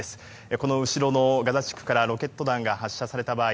この後ろのガザ地区からロケット弾が発射された場合